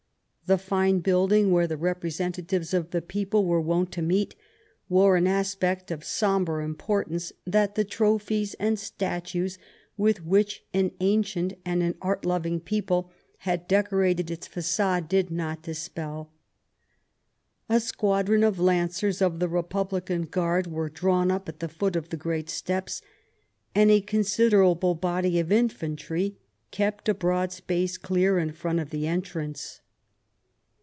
The fine building, where the representatives of the people were wont to meet, wore an aspect of sombre importance that the trophies and statues, with which an ancient and an art loving people had decorated its façade, did not dispel. A squadron of Lancers of the Republican Guard was drawn up at the foot of the great steps, and a considerable body of infantry kept a broad space clear in front of the entrance.